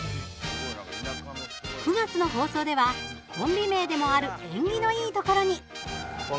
９月の放送ではコンビ名でもある縁起のいいところに。